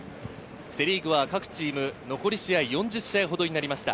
セ・リーグは各チーム残り試合４０試合ほどになりました。